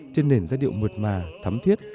trên nền giai điệu mượt mà thấm thiết